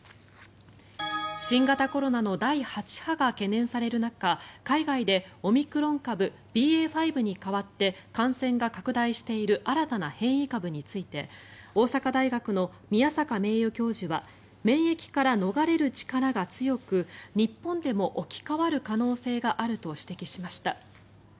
新型コロナの第８波が懸念される中海外でオミクロン株ＢＡ．５に換わって感染が拡大している新たな変異株について大阪大学の宮坂名誉教授は免疫から逃れる力が強く日本でも置き換わる可能性があると指摘しました。